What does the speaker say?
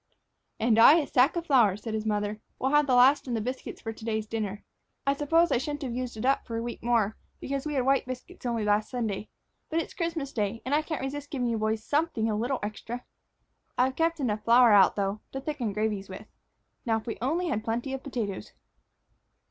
"And I a sack of flour," said his mother. "We'll have the last in biscuits for to day's dinner. I suppose I shouldn't have used it up for a week more, because we had white biscuits only last Sunday. But it is Christmas day; I can't resist giving you boys something a little extra. I've kept enough flour out, though, to thicken gravies with. Now, if we only had plenty of potatoes."